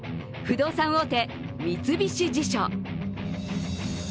不動産大手・三菱地所。